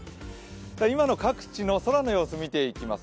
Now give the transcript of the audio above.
今の各地の空の様子を見ていきます。